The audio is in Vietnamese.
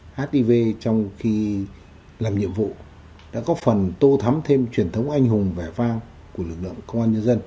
hiv trong khi làm nhiệm vụ đã có phần tô thắm thêm truyền thống anh hùng vẻ vang của lực lượng công an nhân dân